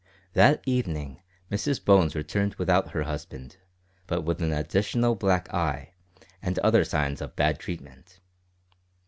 That evening Mrs Bones returned without her husband, but with an additional black eye, and other signs of bad treatment.